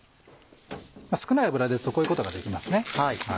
少ない油ですとこういうことができますね。